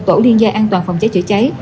tổ liên gia an toàn phòng cháy chữa cháy